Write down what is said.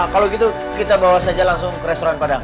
kalau gitu kita bawa saja langsung ke restoran padang